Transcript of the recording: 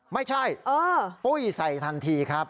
ไม่ใช่ปุ้ยใส่ทันทีครับ